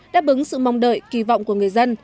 đáp ứng sự mong đợi kỳ vọng của người dân